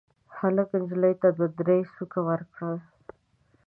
هلک نجلۍ ته دوه درې سوکه ورکړل.